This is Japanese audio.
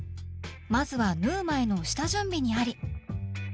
まずは縫う前の下準備にあり！